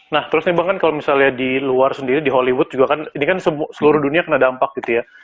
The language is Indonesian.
nah terus nih bang kan kalau misalnya di luar sendiri di hollywood juga kan ini kan seluruh dunia kena dampak gitu ya